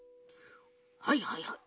はいはいはい。